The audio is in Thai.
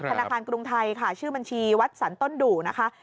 ธนาคารกรุงไทยค่ะชื่อบัญชีวัดสรรต้นดูนะคะ